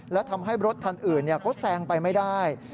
และทำให้รถคันอื่นเขาแซงไปไม่ได้